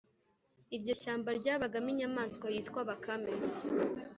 iryo shyamba ryabagamo inyamaswa yitwa bakame